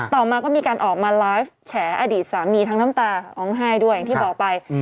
ต่อมาก็มีการออกมาไลฟ์แฉอดีตสามีทั้งน้ำตาร้องไห้ด้วยอย่างที่บอกไป